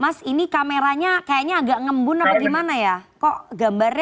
mas ini kameranya kayaknya agak ngembun apa gimana ya kok gambarnya